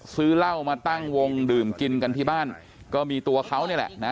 ซื้อเหล้ามาตั้งวงดื่มกินกันที่บ้านก็มีตัวเขานี่แหละนะ